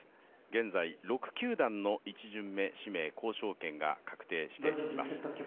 現在、６球団の１巡目指名交渉権が確定しています。